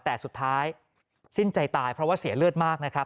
แต่สุดท้ายสิ้นใจตายเพราะว่าเสียเลือดมากนะครับ